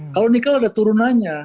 kalau nikel ada turunannya